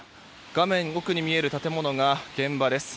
画面奥に見える建物が現場です。